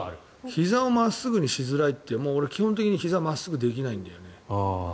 ひざを真っすぐにしづらいって俺、基本的にひざ真っすぐにできないんだよね。